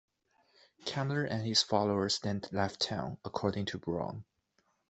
Kammler and his followers then left town, according to Braun.